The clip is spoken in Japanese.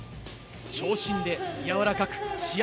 長身でやわらかく試合